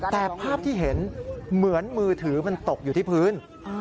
แต่ภาพที่เห็นเหมือนมือถือมันตกอยู่ที่พื้น